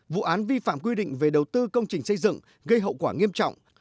vụ án vi phạm quy định về đầu tư công trình xây dựng gây hậu quả nghiêm trọng